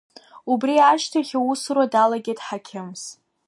Убри ашьҭахь аусура далагеит ҳақьымс.